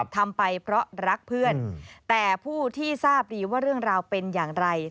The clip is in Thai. ทำไปเพราะรักเพื่อนแต่ผู้ที่ทราบดีว่าเรื่องราวเป็นอย่างไร